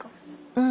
うん。